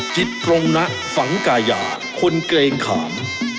จิตตรงนะฝังกายาคนเกรงขาม